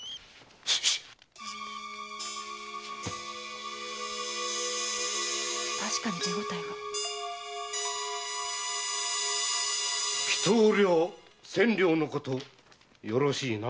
〔確かに手応えが〕祈祷料千両のことよろしいな？